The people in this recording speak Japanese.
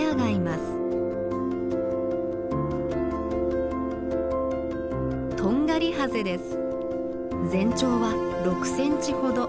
全長は６センチほど。